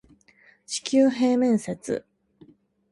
地球平面説